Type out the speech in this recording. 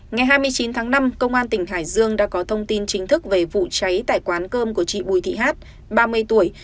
ngày hai mươi chín tháng năm công an tỉnh hải dương đã có thông tin chính thức về vụ cháy tại quán cơm của chị bùi thị hát ba mươi tuổi